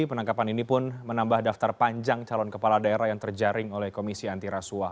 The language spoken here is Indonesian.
penangkapan ini pun menambah daftar panjang calon kepala daerah yang terjaring oleh komisi antirasuah